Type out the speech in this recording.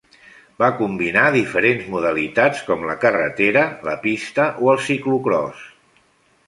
Va combinar diferents modalitats com la carretera, la pista o el ciclocròs.